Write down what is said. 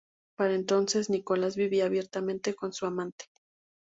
Para entonces, Nicolás vivía abiertamente con su amante.